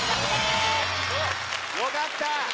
よかった！